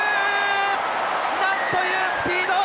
なんというスピード！